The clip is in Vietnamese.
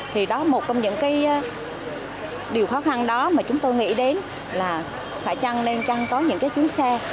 thì đó là một trong những điều khó khăn đó mà chúng tôi nghĩ đến là phải chăng nên chăng có những chuyến xe